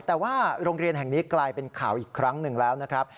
แต่ว่าโรงเรียนแห่งนี้กลายเป็นข่าวอีกครั้งหนึ่งแล้วนะครับ